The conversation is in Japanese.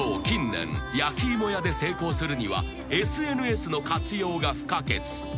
近年焼き芋屋で成功するにはＳＮＳの活用が不可欠］